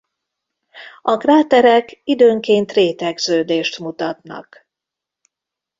A kráterek időnként rétegződést mutatnak.